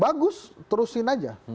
bagus terusin aja